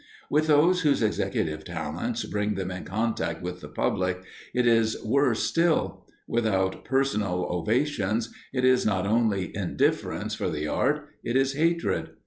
With those whose executive talents bring them in contact with the public, it is worse still; without personal ovations, it is not only indifference for the art, it is hatred.